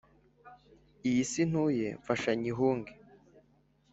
iyi si ntuye mfasha nyihunge